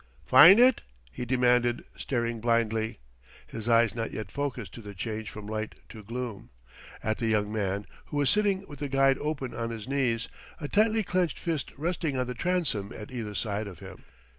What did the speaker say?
"'Find it?" he demanded, staring blindly with eyes not yet focused to the change from light to gloom at the young man, who was sitting with the guide open on his knees, a tightly clenched fist resting on the transom at either side of him.